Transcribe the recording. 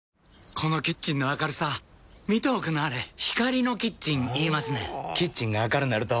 このキッチンの明るさ見ておくんなはれ光のキッチン言いますねんほぉキッチンが明るなると・・・